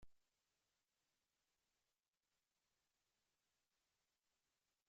Se consagra, finalmente al profesorado y a los estudios filosóficos.